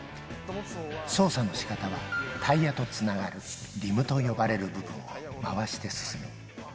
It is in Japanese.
操作の仕方はタイヤとつながるリムと呼ばれる部分を回して進む。